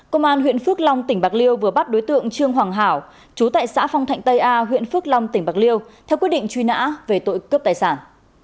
công an huyện phước long tỉnh bạc liêu vừa bắt đối tượng trương hoàng hảo chú tại xã phong thạnh tây a huyện phước long tỉnh bạc liêu theo quyết định truy nã về tội cướp tài sản